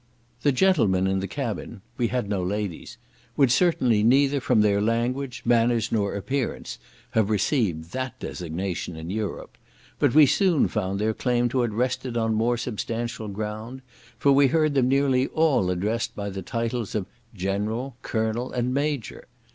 The gentlemen in the cabin (we had no ladies) would certainly neither, from their language, manners, nor appearance, have received that designation in Europe; but we soon found their claim to it rested on more substantial ground, for we heard them nearly all addressed by the titles of general, colonel, and major.